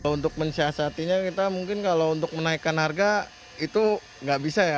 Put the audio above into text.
untuk mensiasatinya kita mungkin kalau untuk menaikkan harga itu nggak bisa ya